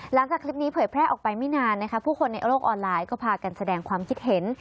หลังจากคลิปนี้เผยแพร่ออกไปไม่นานนะคะผู้คนในโลกออนไลน์ก็พากันแสดงความคิดเห็น